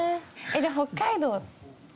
じゃあ北海道。